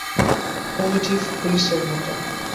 Punitive পুলিসের মতো।